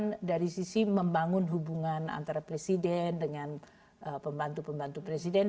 kemudian dari sisi membangun hubungan antara presiden dengan pembantu pembantu presiden